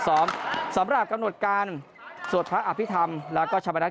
สองสำหรับกำนวดการสวดพระอภิธรรมแล้วก็ชบนัก